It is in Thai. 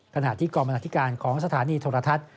ขณะที่กรรมนาธิการของสถานีโทรทัศน์